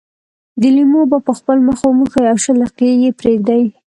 د لیمو اوبه په خپل مخ وموښئ او شل دقيقې یې پرېږدئ.